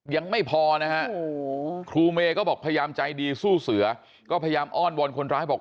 ยังไม่พอนะฮะครูเมย์ก็บอกพยายามใจดีสู้เสือก็พยายามอ้อนวอนคนร้ายบอก